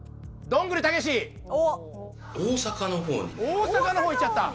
大阪の方いっちゃった。